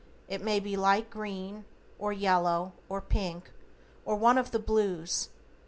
It may be light green, or yellow, or pink, or one of the blues.